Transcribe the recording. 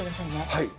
はい。